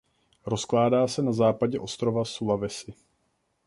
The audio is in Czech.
Rozkládá se na západě ostrova Sulawesi.